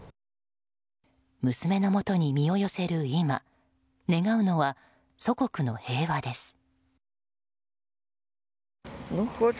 娘のもとに身を寄せる今願うのは祖国の平和です。